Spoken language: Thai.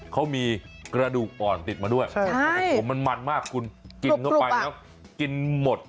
เขามีกระดูกอ่อนติดมาด้วยโอ้โหมันมันมากคุณกินเข้าไปแล้วกินหมด